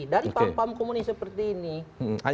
dari paham paham komunis seperti ini